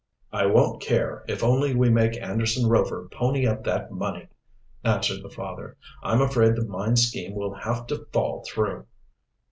"I won't care if only we make Anderson Rover pony up that money," answered the father. "I'm afraid the mine scheme will have to fall through."